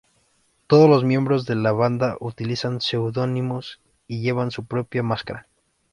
Todos los miembros de la banda utilizan seudónimos y llevan su propia máscara.